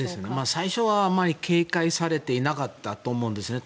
最初はあまり警戒されていなかったと思うんですね。